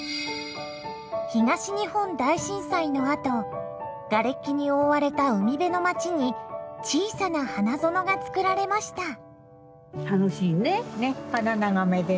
東日本大震災のあとがれきに覆われた海辺の町に小さな花園が造られました。